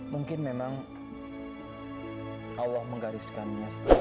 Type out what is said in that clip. mungkin memang allah menggariskannya seperti ini bu